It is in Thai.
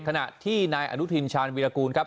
ขณะที่นายอนุทินชาญวิรากูลครับ